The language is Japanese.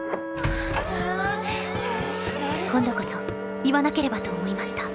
「今度こそいわなければと思いました。